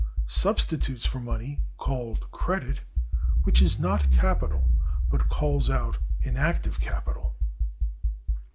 Substitutes for money, called credit (which is not capital, but calls out inactive capital).